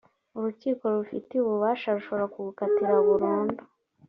urukiko rubifitiye ububasha rushobora kugukatira burundu